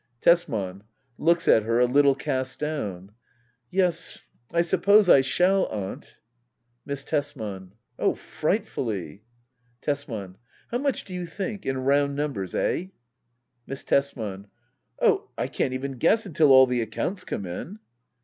Tesman. [Looks at her, a Utile cast donm,] Yes, I suppose I snail, Aunt ! Miss Tesman. Oh, frightfully ! Tesman. How much do you think ? In round numbers ?— Eh? Miss Tesman. Oh, I can't even guess until all the accounts come in.